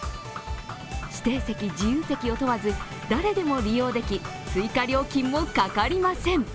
指定席・自由席を問わず、誰でも利用でき、追加料金もかかりません。